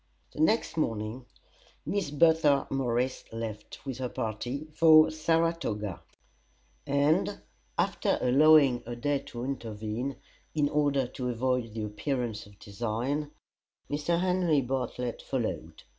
The next morning Miss Bertha Morris left, with her party, for Saratoga; and after allowing a day to intervene, in order to avoid the appearance of design, Mr. Henry Bartlett followed.